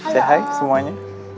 say hi semuanya